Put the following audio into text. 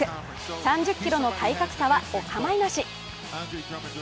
３０ｋｇの体格差はお構いなし。